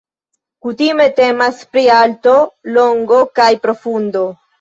Kutime temas pri alto, longo kaj profundo.